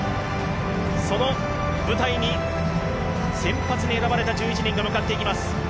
その舞台に先発に選ばれた１１人が向かっていきます。